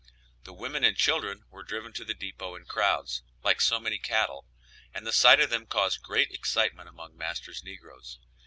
The women and children were driven to the depot in crowds, like so many cattle, and the sight of them caused great excitement among master's negroes.